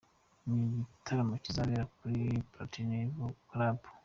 ni igitaramo kizabera kuri Platinum Club.